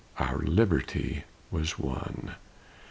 Our liberty was won!